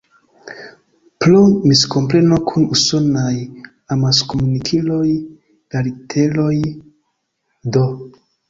Pro miskompreno kun usonaj amaskomunikiloj, la literoj "D.